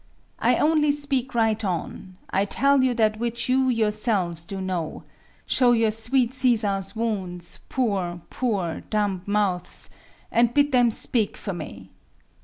I only speak right on: I tell you that which you yourselves do know; Show your sweet Cæsar's wounds, poor, poor, dumb mouths, And bid them speak for me.